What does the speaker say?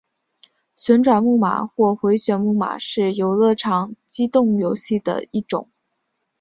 旋转木马或回转木马是游乐场机动游戏的一种。